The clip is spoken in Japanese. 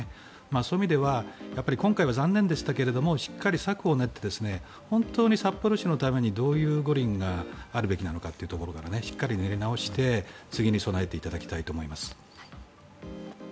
そういう意味では今回は残念でしたけどもしっかり策を練って本当に札幌市のためにどういう五輪があるべきなのかというところからしっかり練り直して次に備えていただきたいと思います。